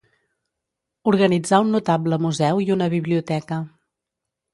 Organitzà un notable museu i una biblioteca.